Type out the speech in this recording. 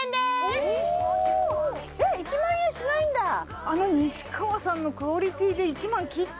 えっ１万円しないんだあの西川さんのクオリティーで１万切った！